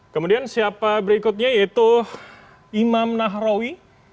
kemudian siapa berikutnya yaitu imam nahrawi